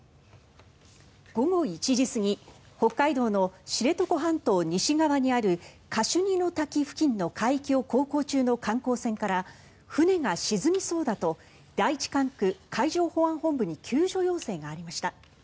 午後１時過ぎ北海道の知床半島西側にあるカシュニの滝付近の海域を航行中の観光船から船が沈みそうだと第一管区海上保安本部に救助要請がありました。